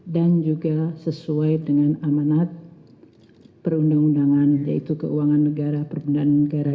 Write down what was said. dan juga sesuai dengan amanat perundang undangan yaitu keuangan negara perundangan negara